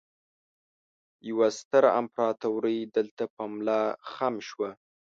يوه ستره امپراتورۍ دلته په ملا خم شوه